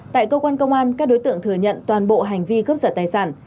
tại cơ quan công an các đối tượng thừa nhận toàn bộ hành vi cướp giật tài sản